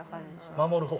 守る方？